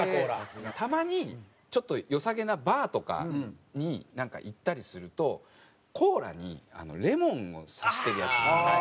たまにちょっと良さげなバーとかに行ったりするとコーラにレモンを挿してるやつ。